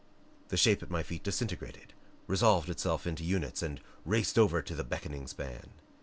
The shape at my feet disintegrated; resolved itself into units that raced over to the beckoning span.